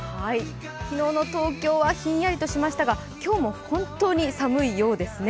昨日の東京はひんやりとしましたが今日も本当に寒いようですね。